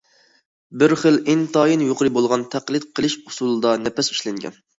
بىر خىل ئىنتايىن يۇقىرى بولغان تەقلىد قىلىش ئۇسۇلىدا نەپىس ئىشلەنگەن.